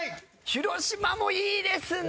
広島もいいですね。